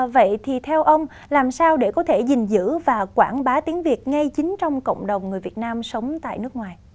vậy thì theo ông làm sao để có thể gìn giữ và quảng bá tiếng việt ngay chính trong cộng đồng người việt nam sống tại nước ngoài